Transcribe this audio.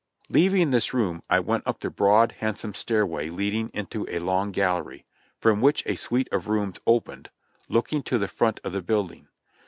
Leaving this room I went up the broad, handsome stairway leading into a long gallery, from which a suite of rooms opened, looking to the front of the building.